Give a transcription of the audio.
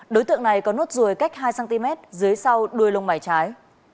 đối tượng này có nốt ruồi cách hai cm dưới sau đuôi lông mảy trái